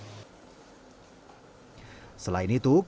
selain itu kpk juga akan mempelajari lebih lanjut